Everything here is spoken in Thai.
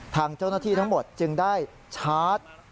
ทางเจ้าหน้าที่ทั้งหมดจึงได้ชาร์จ